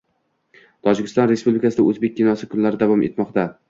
Tojikiston Respublikasida O‘zbek kinosi kunlari davom etmoqda